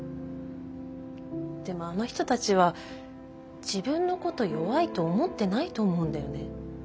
でもあの人たちは自分のこと弱いと思ってないと思うんだよね。